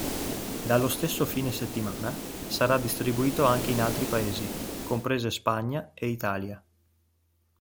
Dallo stesso fine settimana sarà distribuito anche in altri paesi, comprese Spagna e Italia.